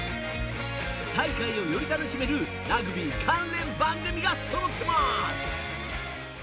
大会をより楽しめるラグビー関連番組がそろってます。